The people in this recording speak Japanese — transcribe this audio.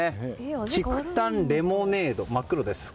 竹炭レモネード、真っ黒です。